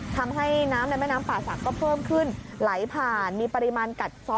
ทำให้น้ำในแม่น้ำป่าศักดิ์ก็เพิ่มขึ้นไหลผ่านมีปริมาณกัดซ้อ